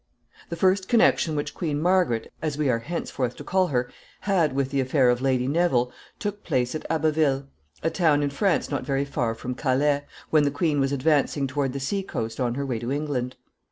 ] The first connection which Queen Margaret, as we are henceforth to call her, had with the affair of Lady Neville, took place at Abbeville, a town in France not very far from Calais, when the queen was advancing toward the sea coast on her way to England.